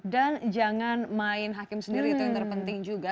dan jangan main hakim sendiri itu yang terpenting juga